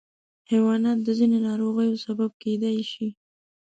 حیوانات د ځینو ناروغیو سبب کېدای شي.